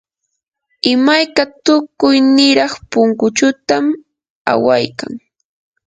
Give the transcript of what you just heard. imayka tukuy niraq punchutam awaykan.